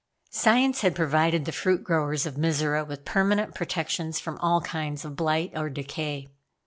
Science had provided the fruit growers of Mizora with permanent protections from all kinds of blight or decay.